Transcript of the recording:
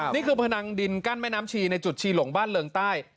พนังดินกั้นแม่น้ำชีในจุดชีหลงบ้านเริงใต้